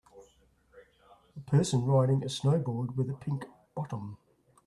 a person riding a snowboard with a pink bottom